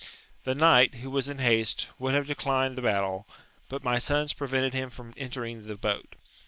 The knight, who was in haste, would have declined the battle, but my sons prevented him from entering the boat.